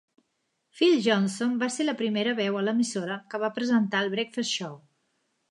Phil Johnson va ser la primera veu a l'emissora que va presentar el Breakfast Show.